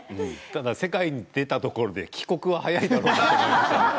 ただ世界に出たところで帰国は早いだろうなと。